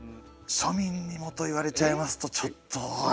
「庶民にも」と言われちゃいますとちょっと。